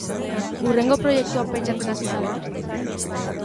Hurrengo proiektuan pentsatzen hasi zara?